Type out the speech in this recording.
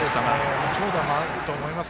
長打もあったかと思います。